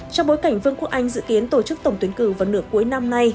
trong bối cảnh vương quốc anh dự kiến tổ chức tổng tuyến cử vào nửa cuối năm nay